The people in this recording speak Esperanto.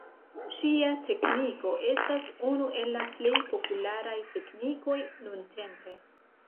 Ŝia tekniko estas unu el la plej popularaj teknikoj nuntempe.